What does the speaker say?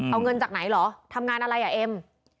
เอาเงินจากไหนเหรอทำงานอะไรอ่ะเอ็ม